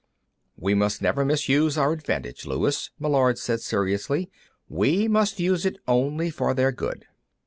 "We must never misuse our advantage, Luis," Meillard said seriously. "We must use it only for their good."